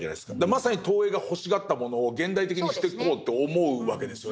まさに東映が欲しがったものを現代的にしてこうって思うわけですよね。